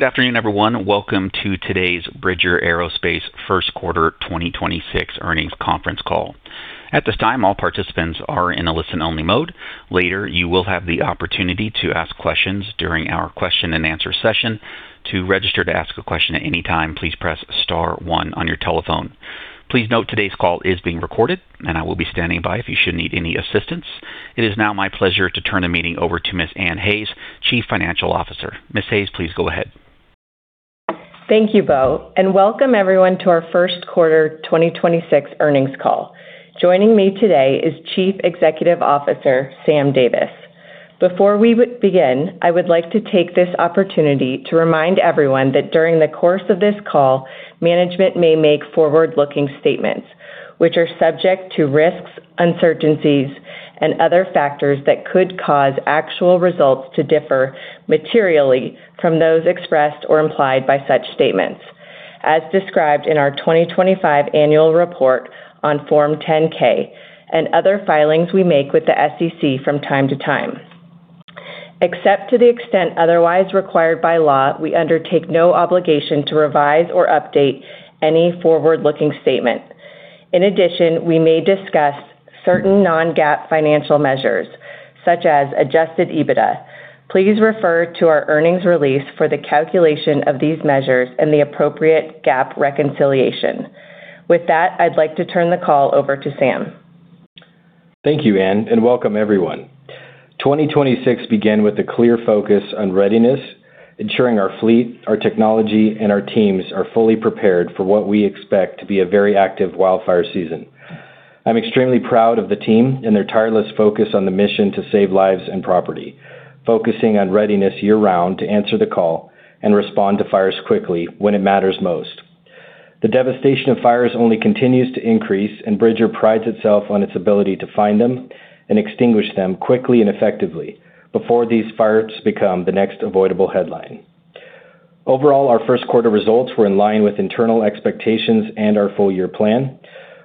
Good afternoon, everyone. Welcome to today's Bridger Aerospace first quarter 2026 earnings conference call. It is now my pleasure to turn the meeting over to Ms. Anne Hayes, Chief Financial Officer. Ms. Hayes, please go ahead. Thank you, Beau, and welcome everyone to our first quarter 2026 earnings call. Joining me today is Chief Executive Officer, Sam Davis. Before we begin, I would like to take this opportunity to remind everyone that during the course of this call, management may make forward-looking statements which are subject to risks, uncertainties, and other factors that could cause actual results to differ materially from those expressed or implied by such statements, as described in our 2025 annual report on Form 10-K and other filings we make with the SEC from time to time. Except to the extent otherwise required by law, we undertake no obligation to revise or update any forward-looking statement. In addition, we may discuss certain non-GAAP financial measures, such as adjusted EBITDA. Please refer to our earnings release for the calculation of these measures and the appropriate GAAP reconciliation. With that, I'd like to turn the call over to Sam. Thank you, Anne, and welcome everyone. 2026 began with a clear focus on readiness, ensuring our fleet, our technology, and our teams are fully prepared for what we expect to be a very active wildfire season. I'm extremely proud of the team and their tireless focus on the mission to save lives and property, focusing on readiness year-round to answer the call and respond to fires quickly when it matters most. The devastation of fires only continues to increase. Bridger prides itself on its ability to find them and extinguish them quickly and effectively before these fires become the next avoidable headline. Overall, our 1st quarter results were in line with internal expectations and our full-year plan,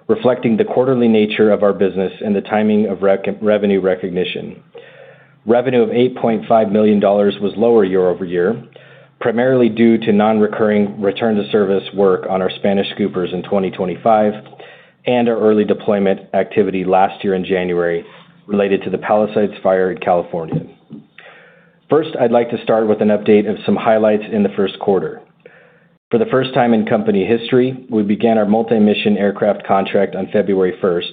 reflecting the quarterly nature of our business and the timing of revenue recognition. Revenue of $8.5 million was lower year-over-year, primarily due to non-recurring return to service work on our Spanish Scoopers in 2025 and our early deployment activity last year in January related to the Palisades Fire in California. First, I'd like to start with an update of some highlights in the first quarter. For the first time in company history, we began our multi-mission aircraft contract on February 1st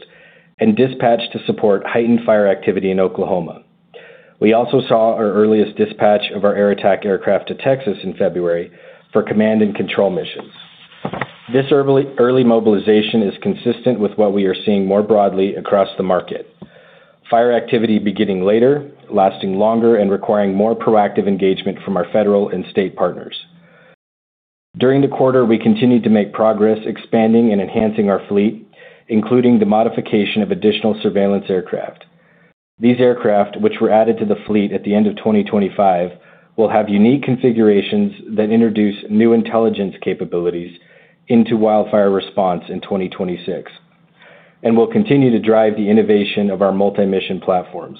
and dispatched to support heightened fire activity in Oklahoma. We also saw our earliest dispatch of our air attack aircraft to Texas in February for command and control missions. This early mobilization is consistent with what we are seeing more broadly across the market, fire activity beginning later, lasting longer, and requiring more proactive engagement from our federal and state partners. During the quarter, we continued to make progress expanding and enhancing our fleet, including the modification of additional surveillance aircraft. These aircraft, which were added to the fleet at the end of 2025, will have unique configurations that introduce new intelligence capabilities into wildfire response in 2026 and will continue to drive the innovation of our multi-mission platforms.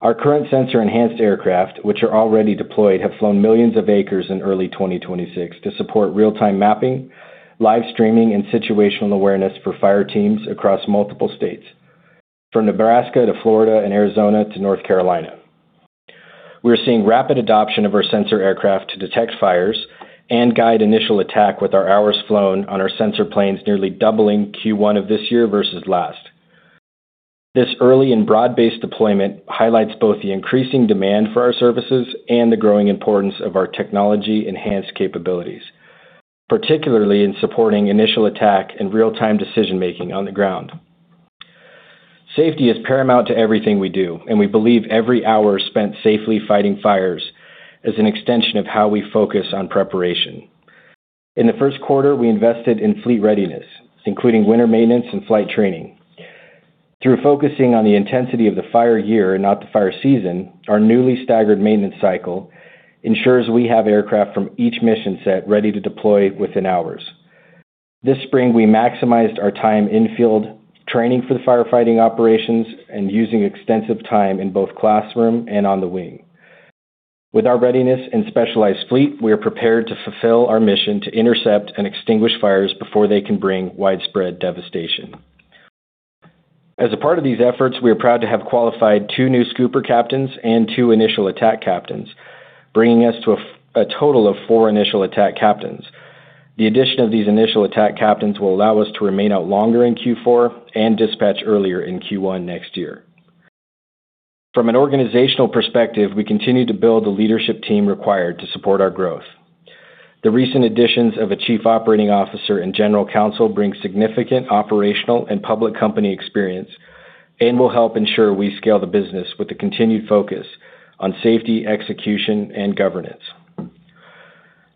Our current sensor-enhanced aircraft, which are already deployed, have flown millions of acres in early 2026 to support real-time mapping, live streaming, and situational awareness for fire teams across multiple states, from Nebraska to Florida and Arizona to North Carolina. We're seeing rapid adoption of our sensor aircraft to detect fires and guide initial attack with our hours flown on our sensor planes nearly doubling Q1 of this year versus last. This early and broad-based deployment highlights both the increasing demand for our services and the growing importance of our technology-enhanced capabilities, particularly in supporting initial attack and real-time decision-making on the ground. Safety is paramount to everything we do, and we believe every hour spent safely fighting fires is an extension of how we focus on preparation. In the 1st quarter, we invested in fleet readiness, including winter maintenance and flight training. Through focusing on the intensity of the fire year and not the fire season, our newly staggered maintenance cycle ensures we have aircraft from each mission set ready to deploy within hours. This spring, we maximized our time in field training for the firefighting operations and using extensive time in both classroom and on the wing. With our readiness and specialized fleet, we are prepared to fulfill our mission to intercept and extinguish fires before they can bring widespread devastation. As a part of these efforts, we are proud to have qualified two new Super Scooper captains and two initial attack captains, bringing us to a total of four initial attack captains. The addition of these initial attack captains will allow us to remain out longer in Q4 and dispatch earlier in Q1 next year. From an organizational perspective, we continue to build the leadership team required to support our growth. The recent additions of a Chief Operating Officer and General Counsel bring significant operational and public company experience and will help ensure we scale the business with a continued focus on safety, execution, and governance.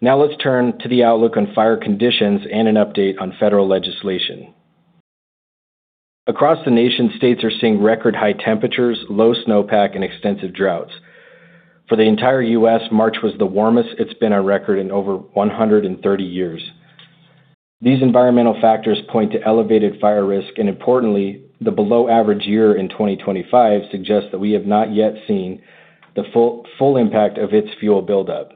Let's turn to the outlook on fire conditions and an update on federal legislation. Across the nation, states are seeing record high temperatures, low snowpack, and extensive droughts. For the entire U.S., March was the warmest it's been on record in over 130 years. These environmental factors point to elevated fire risk. Importantly, the below-average year in 2025 suggests that we have not yet seen the full impact of its fuel buildup.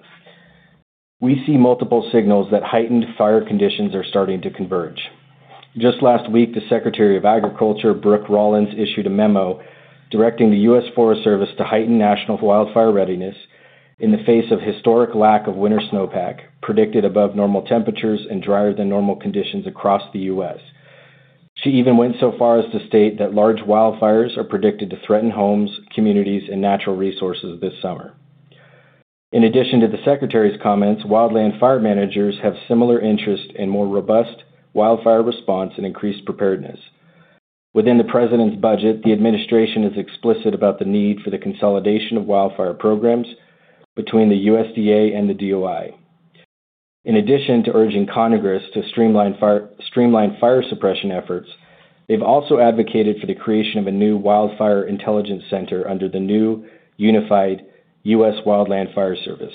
We see multiple signals that heightened fire conditions are starting to converge. Just last week, the Secretary of Agriculture, Brooke Rollins, issued a memo directing the U.S. Forest Service to heighten national wildfire readiness in the face of historic lack of winter snowpack, predicted above normal temperatures and drier than normal conditions across the U.S. She even went so far as to state that large wildfires are predicted to threaten homes, communities, and natural resources this summer. In addition to the Secretary's comments, wildland fire managers have similar interest in more robust wildfire response and increased preparedness. Within the President's budget, the administration is explicit about the need for the consolidation of wildfire programs between the USDA and the DOI. In addition to urging Congress to streamline fire suppression efforts, they've also advocated for the creation of a new Wildfire Intelligence Center under the new unified U.S. Wildland Fire Service.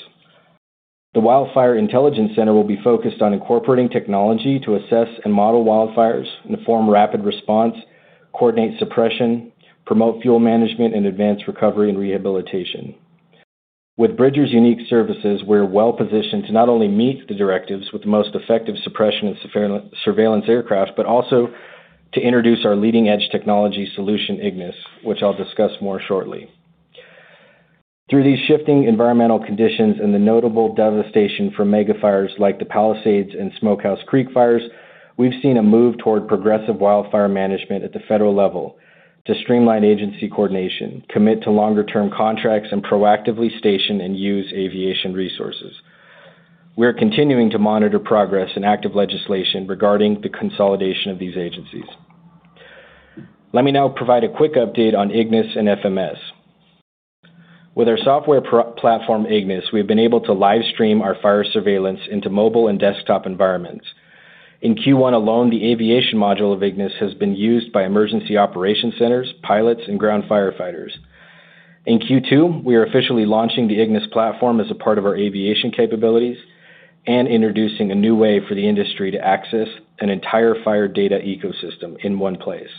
The Wildfire Intelligence Center will be focused on incorporating technology to assess and model wildfires and inform rapid response, coordinate suppression, promote fuel management, and advance recovery and rehabilitation. With Bridger's unique services, we're well-positioned to not only meet the directives with the most effective suppression of surveillance aircraft, but also to introduce our leading-edge technology solution, Ignis, which I'll discuss more shortly. Through these shifting environmental conditions and the notable devastation from megafires like the Palisades and Smokehouse Creek Fire, we've seen a move toward progressive wildfire management at the federal level to streamline agency coordination, commit to longer-term contracts, and proactively station and use aviation resources. We're continuing to monitor progress and active legislation regarding the consolidation of these agencies. Let me now provide a quick update on Ignis and FMS. With our software platform, Ignis, we've been able to live stream our fire surveillance into mobile and desktop environments. In Q1 alone, the aviation module of Ignis has been used by emergency operation centers, pilots, and ground firefighters. In Q2, we are officially launching the Ignis platform as a part of our aviation capabilities and introducing a new way for the industry to access an entire fire data ecosystem in one place.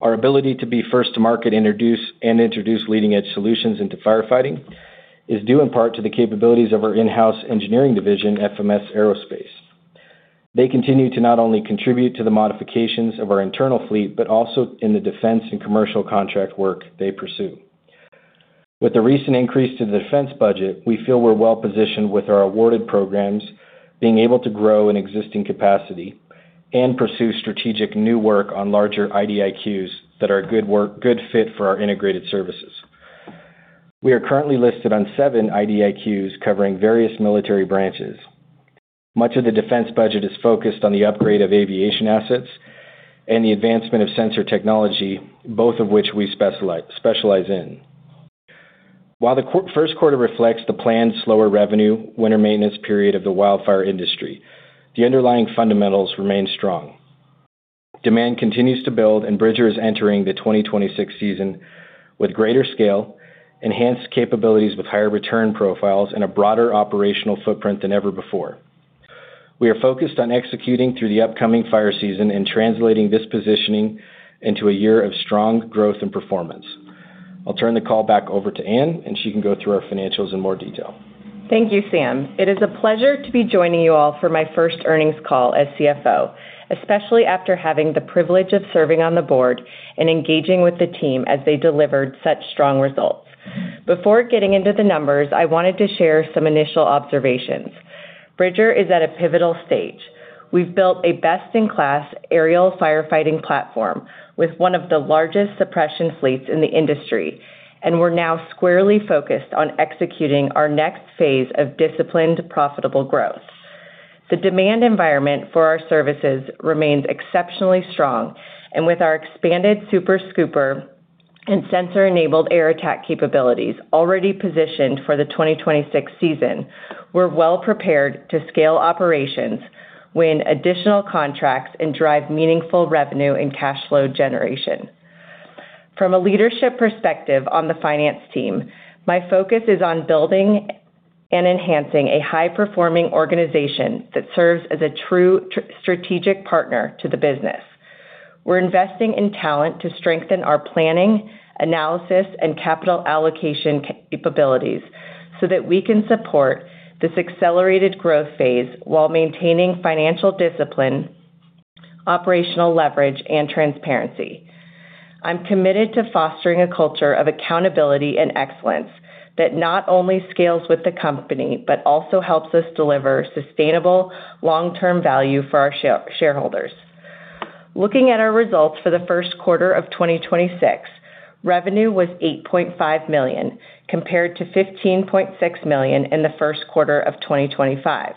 Our ability to be first to market and introduce leading-edge solutions into firefighting is due in part to the capabilities of our in-house engineering division, FMS Aerospace. They continue to not only contribute to the modifications of our internal fleet, but also in the defense and commercial contract work they pursue. With the recent increase to the defense budget, we feel we're well-positioned with our awarded programs being able to grow in existing capacity and pursue strategic new work on larger IDIQs that are a good fit for our integrated services. We are currently listed on seven IDIQs covering various military branches. Much of the defense budget is focused on the upgrade of aviation assets and the advancement of sensor technology, both of which we specialize in. While the first quarter reflects the planned slower revenue winter maintenance period of the wildfire industry, the underlying fundamentals remain strong. Demand continues to build. Bridger is entering the 2026 season with greater scale, enhanced capabilities with higher return profiles, and a broader operational footprint than ever before. We are focused on executing through the upcoming fire season and translating this positioning into a year of strong growth and performance. I'll turn the call back over to Anne, and she can go through our financials in more detail. Thank you, Sam. It is a pleasure to be joining you all for my first earnings call as CFO, especially after having the privilege of serving on the board and engaging with the team as they delivered such strong results. Before getting into the numbers, I wanted to share some initial observations. Bridger is at a pivotal stage. We've built a best-in-class aerial firefighting platform with one of the largest suppression fleets in the industry, and we're now squarely focused on executing our next phase of disciplined, profitable growth. The demand environment for our services remains exceptionally strong, and with our expanded Super Scooper and sensor-enabled air attack capabilities already positioned for the 2026 season, we're well-prepared to scale operations, win additional contracts, and drive meaningful revenue and cash flow generation. From a leadership perspective on the finance team, my focus is on building and enhancing a high-performing organization that serves as a true strategic partner to the business. We're investing in talent to strengthen our planning, analysis, and capital allocation capabilities so that we can support this accelerated growth phase while maintaining financial discipline, operational leverage, and transparency. I'm committed to fostering a culture of accountability and excellence that not only scales with the company but also helps us deliver sustainable long-term value for our shareholders. Looking at our results for the first quarter of 2026, revenue was $8.5 million, compared to $15.6 million in the first quarter of 2025.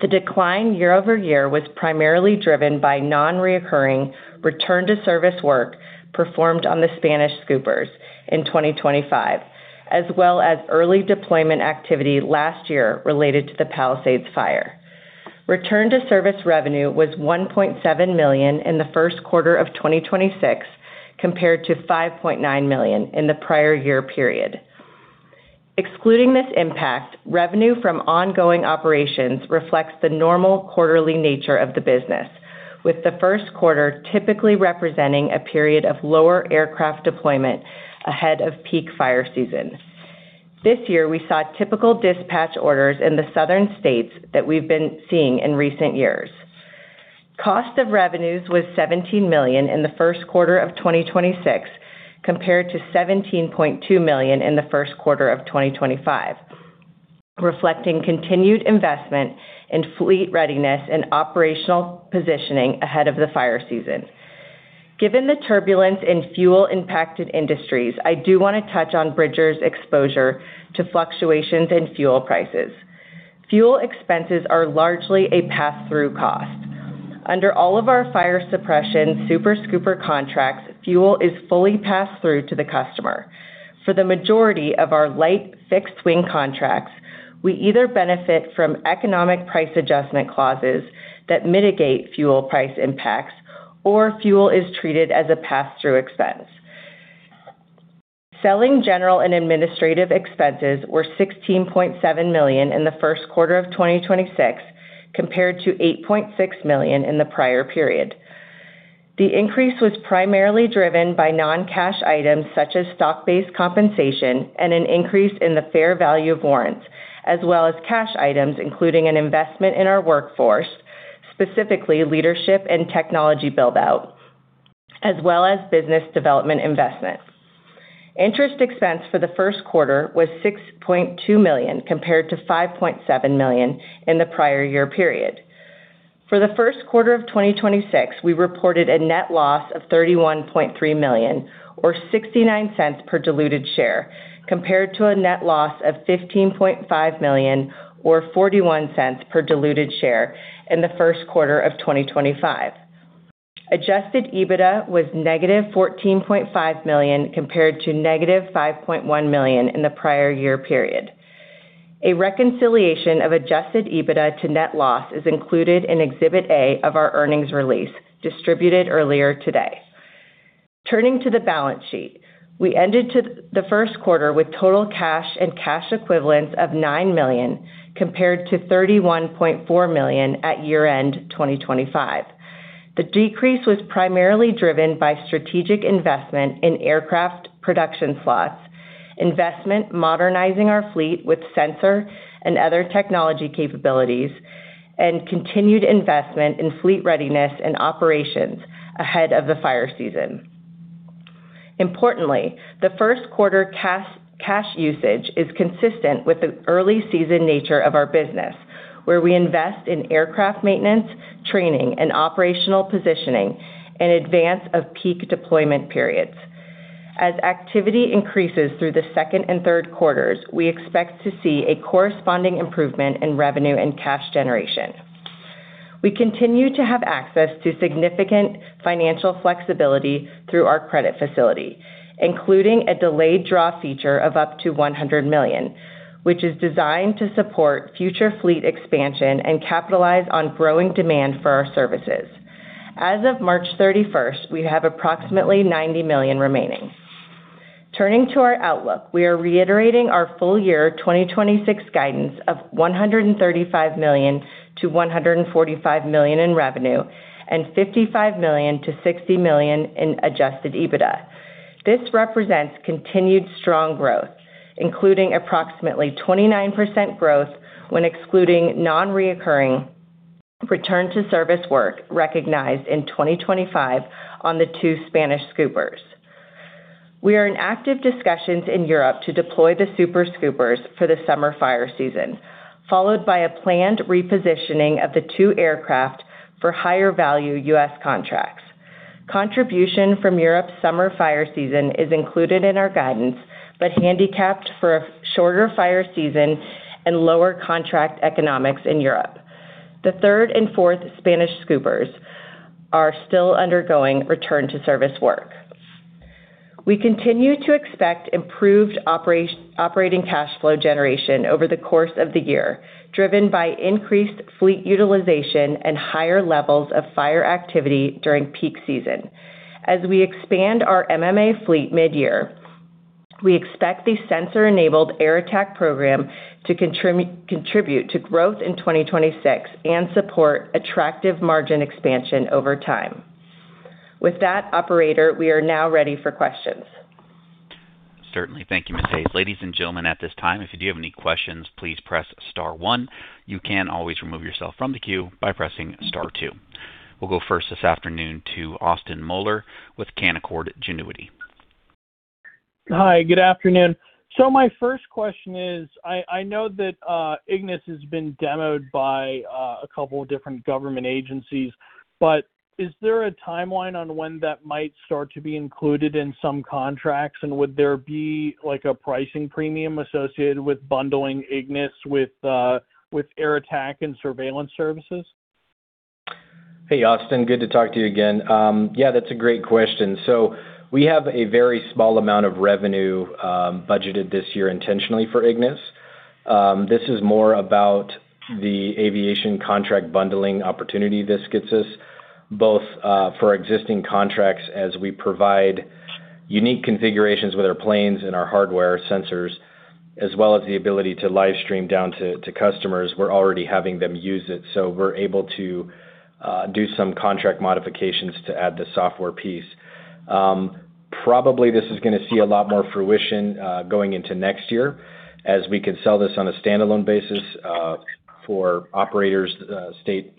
The decline year-over-year was primarily driven by non-recurring return to service work performed on the Spanish scoopers in 2025, as well as early deployment activity last year related to the Palisades fire. Return to service revenue was $1.7 million in the first quarter of 2026, compared to $5.9 million in the prior year period. Excluding this impact, revenue from ongoing operations reflects the normal quarterly nature of the business, with the first quarter typically representing a period of lower aircraft deployment ahead of peak fire season. This year, we saw typical dispatch orders in the southern states that we've been seeing in recent years. Cost of revenues was $17 million in the first quarter of 2026, compared to $17.2 million in the first quarter of 2025, reflecting continued investment in fleet readiness and operational positioning ahead of the fire season. Given the turbulence in fuel-impacted industries, I do wanna touch on Bridger's exposure to fluctuations in fuel prices. Fuel expenses are largely a pass-through cost. Under all of our fire suppression Super Scooper contracts, fuel is fully passed through to the customer. For the majority of our light fixed-wing contracts, we either benefit from economic price adjustment clauses that mitigate fuel price impacts or fuel is treated as a pass-through expense. Selling, general, and administrative expenses were $16.7 million in the first quarter of 2026, compared to $8.6 million in the prior period. The increase was primarily driven by non-cash items such as stock-based compensation and an increase in the fair value of warrants, as well as cash items, including an investment in our workforce, specifically leadership and technology build-out, as well as business development investment. Interest expense for the first quarter was $6.2 million, compared to $5.7 million in the prior year period. For the first quarter of 2026, we reported a net loss of $31.3 million, or $0.69 per diluted share, compared to a net loss of $15.5 million or $0.41 per diluted share in the first quarter of 2025. Adjusted EBITDA was negative $14.5 million compared to negative $5.1 million in the prior year period. A reconciliation of adjusted EBITDA to net loss is included in Exhibit A of our earnings release distributed earlier today. Turning to the balance sheet. We ended the first quarter with total cash and cash equivalents of $9 million, compared to $31.4 million at year-end 2025. The decrease was primarily driven by strategic investment in aircraft production slots, investment modernizing our fleet with sensor and other technology capabilities, and continued investment in fleet readiness and operations ahead of the fire season. Importantly, the first quarter cash usage is consistent with the early season nature of our business, where we invest in aircraft maintenance, training, and operational positioning in advance of peak deployment periods. As activity increases through the second and third quarters, we expect to see a corresponding improvement in revenue and cash generation. We continue to have access to significant financial flexibility through our credit facility, including a delayed draw feature of up to $100 million, which is designed to support future fleet expansion and capitalize on growing demand for our services. As of March 31st, we have approximately $90 million remaining. Turning to our outlook, we are reiterating our full year 2026 guidance of $135 million-$145 million in revenue and $55 million-$60 million in adjusted EBITDA. This represents continued strong growth, including approximately 29% growth when excluding non-recurring return to service work recognized in 2025 on the two Super Scoopers. We are in active discussions in Europe to deploy the Super Scoopers for the summer fire season, followed by a planned repositioning of the two aircraft for higher value U.S. contracts. Contribution from Europe's summer fire season is included in our guidance but handicapped for a shorter fire season and lower contract economics in Europe. The third and fourth Spanish Scoopers are still undergoing return to service work. We continue to expect improved operating cash flow generation over the course of the year, driven by increased fleet utilization and higher levels of fire activity during peak season. As we expand our MMA fleet mid-year, we expect the sensor-enabled Air Attack program to contribute to growth in 2026 and support attractive margin expansion over time. With that, operator, we are now ready for questions. Certainly. Thank you, Ms. Hayes. Ladies and gentlemen, at this time, if you do have any questions, please press star one. You can always remove yourself from the queue by pressing star two. We'll go first this afternoon to Austin Moeller with Canaccord Genuity. Hi, good afternoon. My first question is, I know that Ignis has been demoed by a couple of different government agencies, but is there a timeline on when that might start to be included in some contracts? Would there be, like, a pricing premium associated with bundling Ignis with air attack and surveillance services? Hey, Austin, good to talk to you again. Yeah, that's a great question. We have a very small amount of revenue, budgeted this year intentionally for Ignis. This is more about the aviation contract bundling opportunity this gets us, both, for existing contracts as we provide unique configurations with our planes and our hardware sensors, as well as the ability to live stream down to customers. We're already having them use it, so we're able to do some contract modifications to add the software piece. Probably this is gonna see a lot more fruition going into next year as we can sell this on a standalone basis for operators,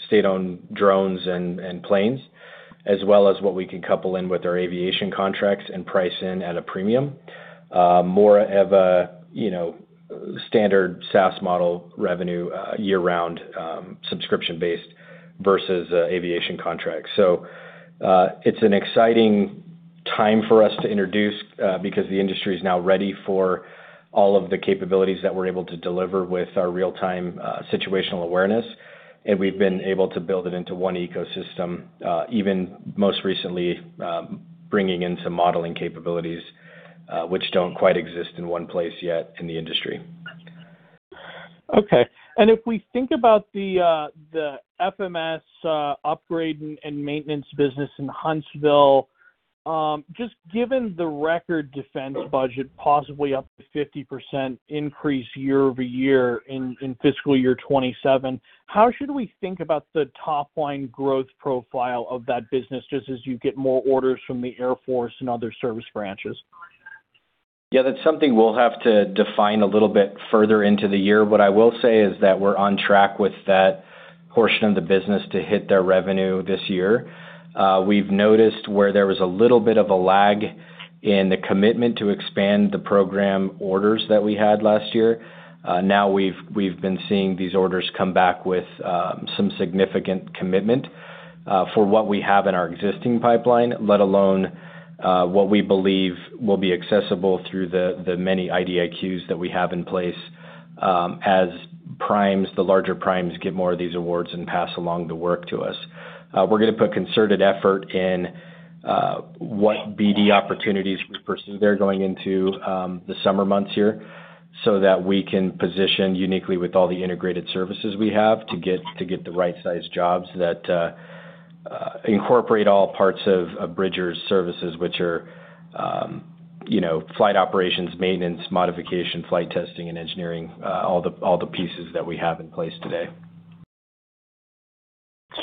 state-owned drones and planes, as well as what we can couple in with our aviation contracts and price in at a premium. More of a, you know, standard SaaS model revenue, year-round, subscription-based versus aviation contracts. It's an exciting time for us to introduce because the industry is now ready for all of the capabilities that we're able to deliver with our real-time situational awareness, and we've been able to build it into one ecosystem, even most recently, bringing in some modeling capabilities, which don't quite exist in one place yet in the industry. Okay. If we think about the FMS upgrade and maintenance business in Huntsville, just given the record defense budget possibly up to 50% increase year over year in fiscal year 2027, how should we think about the top line growth profile of that business just as you get more orders from the Air Force and other service branches? That's something we'll have to define a little bit further into the year. What I will say is that we're on track with that portion of the business to hit their revenue this year. We've noticed where there was a little bit of a lag in the commitment to expand the program orders that we had last year. We've been seeing these orders come back with some significant commitment for what we have in our existing pipeline, let alone what we believe will be accessible through the many IDIQ that we have in place, as primes, the larger primes get more of these awards and pass along the work to us. We're gonna put concerted effort in what BD opportunities we pursue there going into the summer months here so that we can position uniquely with all the integrated services we have to get the right-sized jobs that incorporate all parts of Bridger's services, which are, you know, flight operations, maintenance, modification, flight testing, and engineering, all the pieces that we have in place today.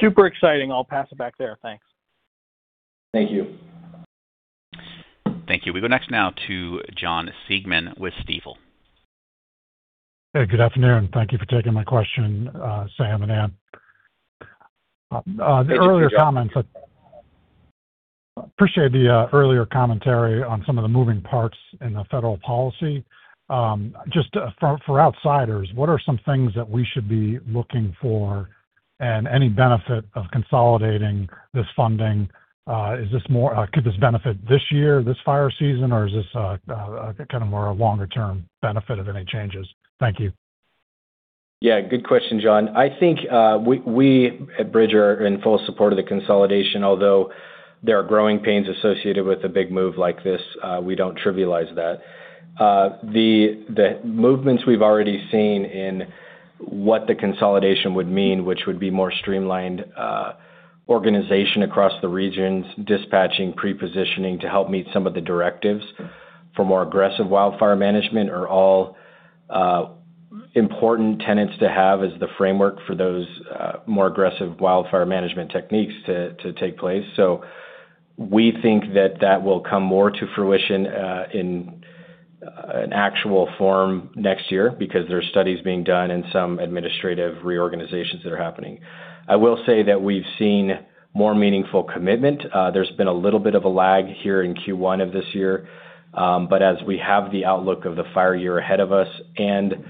Super exciting. I'll pass it back there. Thanks. Thank you. Thank you. We go next now to John Saunders with Stifel. Hey, good afternoon. Thank you for taking my question, Sam and Anne. Thank you, John. The earlier comments. Appreciate the earlier commentary on some of the moving parts in the federal policy. Just for outsiders, what are some things that we should be looking for and any benefit of consolidating this funding? Could this benefit this year, this fire season, or is this kind of more a longer term benefit of any changes? Thank you. Good question, John. I think we at Bridger are in full support of the consolidation, although there are growing pains associated with a big move like this, we don't trivialize that. The movements we've already seen in what the consolidation would mean, which would be more streamlined organization across the regions, dispatching, pre-positioning to help meet some of the directives for more aggressive wildfire management are all important tenets to have as the framework for those more aggressive wildfire management techniques to take place. We think that that will come more to fruition in an actual form next year because there are studies being done and some administrative reorganizations that are happening. I will say that we've seen more meaningful commitment. There's been a little bit of a lag here in Q1 of this year, but as we have the outlook of the fire year ahead of us and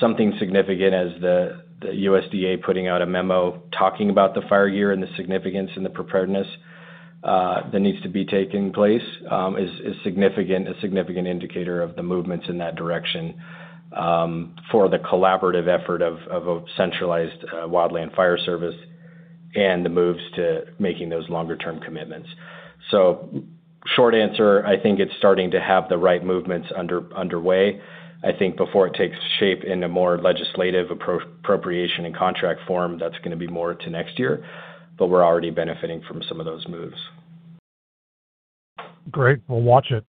something significant as the USDA putting out a memo talking about the fire year and the significance and the preparedness that needs to be taking place is significant, a significant indicator of the movements in that direction for the collaborative effort of a centralized U.S. Wildland Fire Service and the moves to making those longer term commitments. Short answer, I think it's starting to have the right movements underway. I think before it takes shape in a more legislative appropriation and contract form, that's gonna be more to next year, but we're already benefiting from some of those moves. Great. We'll watch it.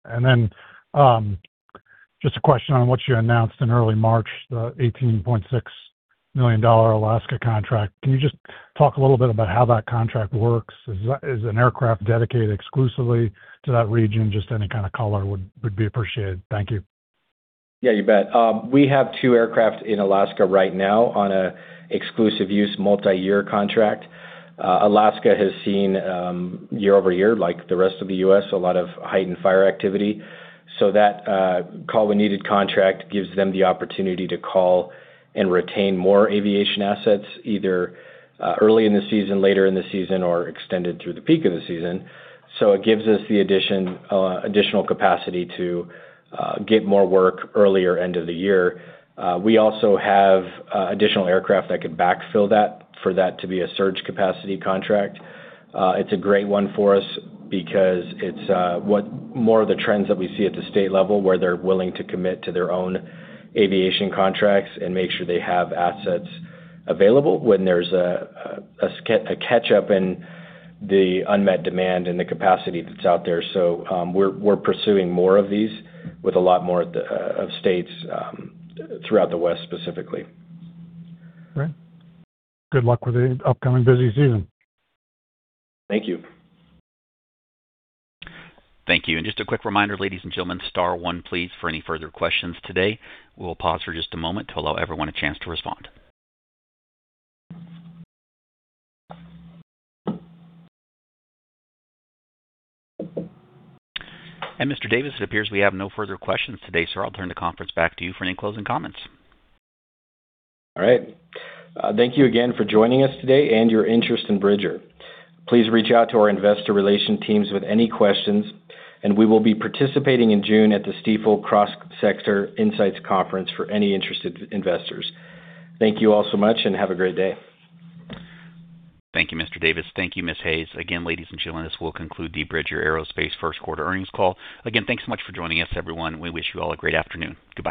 Just a question on what you announced in early March, the $18.6 million Alaska contract. Can you just talk a little bit about how that contract works? Is an aircraft dedicated exclusively to that region? Just any kind of color would be appreciated. Thank you. Yeah, you bet. We have two aircraft in Alaska right now on a exclusive use multi-year contract. Alaska has seen, year-over-year, like the rest of the U.S., a lot of heightened fire activity. That call when needed contract gives them the opportunity to call and retain more aviation assets either early in the season, later in the season or extended through the peak of the season. It gives us the additional capacity to get more work earlier end of the year. We also have additional aircraft that could backfill that for that to be a surge capacity contract. It's a great one for us because it's what more of the trends that we see at the state level where they're willing to commit to their own aviation contracts and make sure they have assets available when there's a catch up in the unmet demand and the capacity that's out there. We're pursuing more of these with a lot more of the states throughout the West specifically. Great. Good luck with the upcoming busy season. Thank you. Thank you. Just a quick reminder, ladies and gentlemen, star one, please, for any further questions today. We'll pause for just a moment to allow everyone a chance to respond. Mr. Davis, it appears we have no further questions today, sir. I'll turn the conference back to you for any closing comments. All right. Thank you again for joining us today and your interest in Bridger. Please reach out to our investor relation teams with any questions. We will be participating in June at the Stifel Cross Sector Insight Conference for any interested investors. Thank you all so much and have a great day. Thank you, Mr. Davis. Thank you, Ms. Hayes. Again, ladies and gentlemen, this will conclude the Bridger Aerospace first quarter earnings call. Again, thanks so much for joining us, everyone. We wish you all a great afternoon. Goodbye.